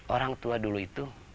orang tua dulu itu